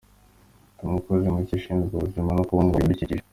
Ndi umukozi mushya ushinzwe ubuzima no kubungabunga ibidukikije.